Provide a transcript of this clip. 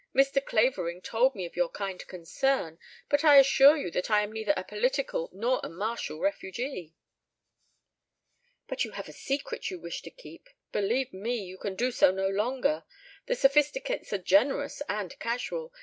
Mr. Clavering told me of your kind concern, but I assure you that I am neither a political nor a marital refugee." "But you have a secret you wish to keep. Believe me, you can do so no longer. The Sophisticates are generous and casual.